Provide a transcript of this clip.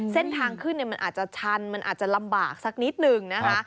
เส้นทางขึ้นมันอาจจะชันมันอาจจะลำบากสักนิดนึงนะคะ